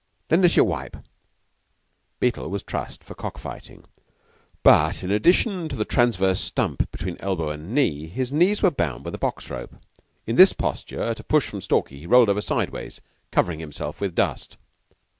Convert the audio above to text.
Lend us your wipe." Beetle was trussed for cock fighting; but, in addition to the transverse stump between elbow and knee, his knees were bound with a box rope. In this posture, at a push from Stalky he rolled over sideways, covering himself with dust.